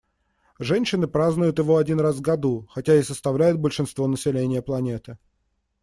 Женщины празднуют его один раз в году, хотя и составляют большинство населения планеты.